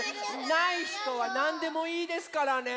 ないひとはなんでもいいですからね。